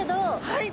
はい。